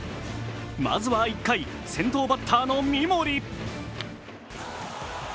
まずは１回、先頭バッターの三森。